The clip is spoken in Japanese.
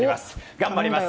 頑張ります！